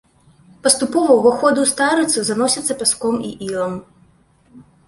Паступова ўваходы ў старыцу заносяцца пяском і ілам.